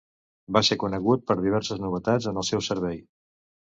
Va ser conegut per diverses novetats en el seu servei.